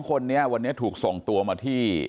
คนนี้วันนี้ถูกส่งตัวมาที่